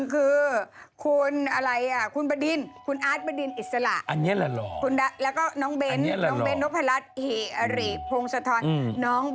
ประเทศกรีฟกรุงเอเทนประเทศกรีฟอืม